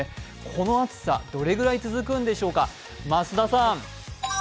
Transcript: この暑さ、どのぐらい続くんでしょうか。